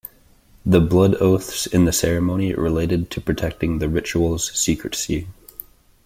The blood oaths in the ceremony related to protecting the ritual's secrecy.